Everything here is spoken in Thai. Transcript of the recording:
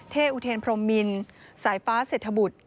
อุเทนพรมมินสายฟ้าเศรษฐบุตร